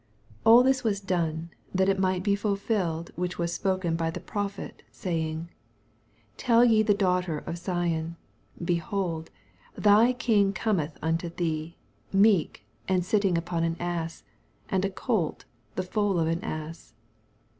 4 All this was done, that it might be fulfilled whioh was spoken by the prophet, saying, 5 Tell ye the daughter of Sion, Behold, thy king cometh unto thee, meek, and sitting upon an ass, and a colt the foal of an ass.